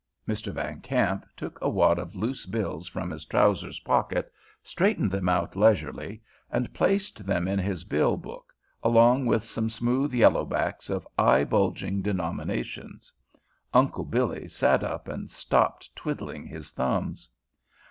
Mr. Van Kamp took a wad of loose bills from his trousers pocket, straightened them out leisurely, and placed them in his bill book, along with some smooth yellowbacks of eye bulging denominations. Uncle Billy sat up and stopped twiddling his thumbs.